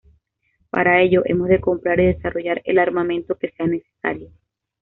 Para ello, hemos de comprar y desarrollar el armamento que sea necesario.